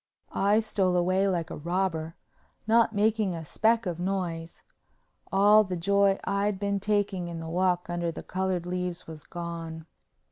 I stole away like a robber, not making a speck of noise. All the joy I'd been taking in the walk under the colored leaves was gone.